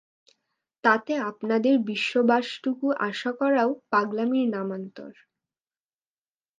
তাতে আপনাদের বিশ্ববাসটুকু আশা করাও পাগলামির নামান্তর।